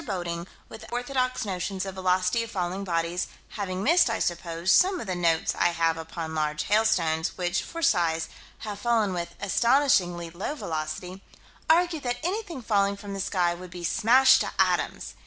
Bodding, with orthodox notions of velocity of falling bodies, having missed, I suppose, some of the notes I have upon large hailstones, which, for size, have fallen with astonishingly low velocity, argued that anything falling from the sky would be "smashed to atoms."